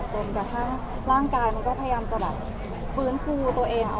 จนกระทั่งร่างกายมันก็พยายามจะแบบฟื้นฟูตัวเอง